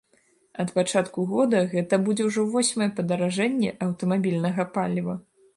Ад пачатку года гэта будзе ўжо восьмае падаражэнне аўтамабільнага паліва.